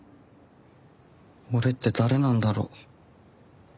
俺って誰なんだろう？